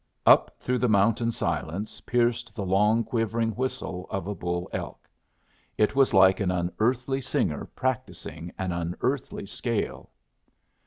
Up through the mountain silence pierced the long quivering whistle of a bull elk. It was like an unearthly singer practising an unearthly scale.